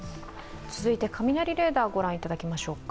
続いて雷レーダーを御覧いただきましょうか。